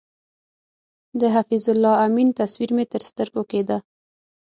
د حفیظ الله امین تصویر مې تر سترګو کېده.